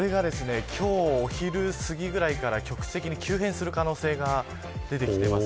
これが、今日お昼すぎぐらいから局地的に急変する可能性が出てきています。